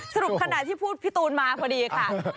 สรุปขณะที่พูดพี่ตูนมาพอดีค่ะ